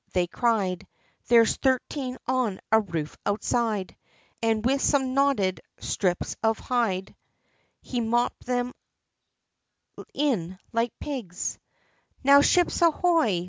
they cried, "There's thirteen on a roof outside;" An' with some knotted sthrips of hide, he mopped them in like pigs, "Now ships ahoy!"